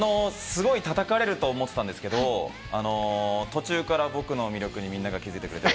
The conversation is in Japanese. すごい叩かれると思ってたんですけど、途中から僕の魅力に皆が気づいてくれて。